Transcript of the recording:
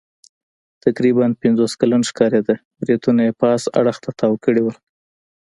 تقریباً پنځوس کلن ښکارېده، برېتونه یې پاس اړخ ته تاو کړي ول.